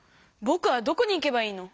ぼくはどこに行けばいいの？